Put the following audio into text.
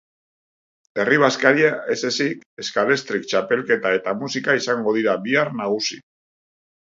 Herri bazkaria ez ezik, scalextric txapelketa eta musika izango dira bihar nagusi.